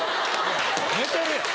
寝てるやん。